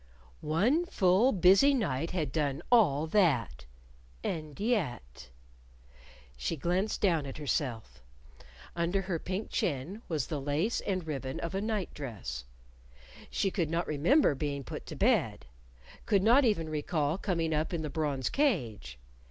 One full busy night had done all that! And yet She glanced down at herself. Under her pink chin was the lace and ribbon of a night dress. She could not remember being put to bed could not even recall coming up in the bronze cage.